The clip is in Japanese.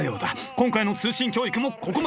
今回の通信教育もここまで。